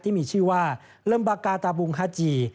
ที่มีชื่อว่าเริ่มบากาตาบุงฮัตยี